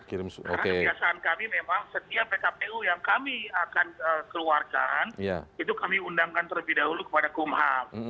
karena kebiasaan kami memang setiap pkpu yang kami akan keluarkan itu kami undangkan terlebih dahulu kepada kumham